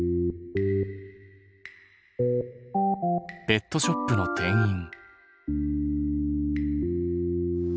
ペットショップの店員。